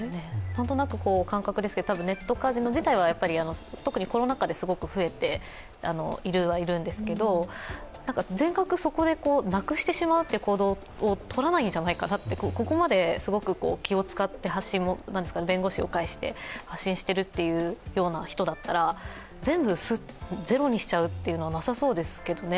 なんとなく、感覚ですが、ネットカジノ自体は特にコロナ禍ですごく増えているはいるんですけど全額そこでなくしてしまうという行動を取らないんじゃないかなと、ここまで気を使って弁護士を介して発信してるような人だったら全部ゼロにしちゃうようなことはなさそうですけどね。